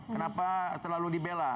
kenapa terlalu dibela